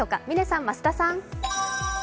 嶺さん、増田さん。